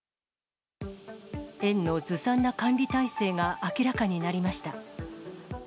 園のずさんな管理体制が明らかになりました。